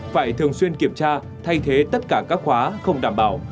phải thường xuyên kiểm tra thay thế tất cả các khóa không đảm bảo